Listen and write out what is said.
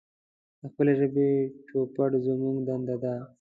د خپلې ژبې چوپړ زمونږ دنده ده.